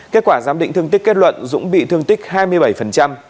kết quả giám định thương tích kết luận dũng bị thương tích hai mươi bảy